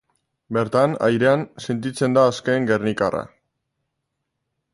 Bertan, airean, sentitzen da askeen gernikarra.